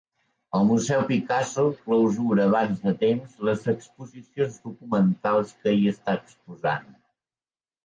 El Museu Picasso clausura abans de temps les exposicions documentals que hi està exposant